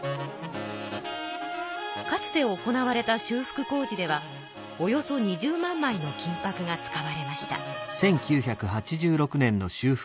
かつて行われた修復工事ではおよそ２０万まいの金ぱくが使われました。